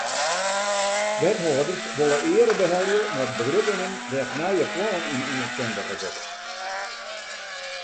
Wethâlders wolle eare behelje mei begruttingen dêr't nije plannen yn oankundige wurde.